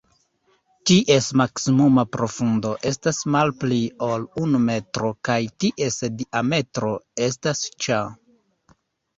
Ties maksimuma profundo estas malpli ol unu metro kaj ties diametro estas ĉa.